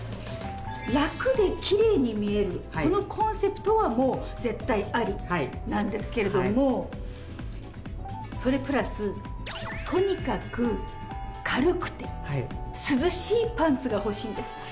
ラクできれいに見えるこのコンセプトはもう絶対ありなんですけれどもそれプラスとにかく軽くて涼しいパンツが欲しいんです。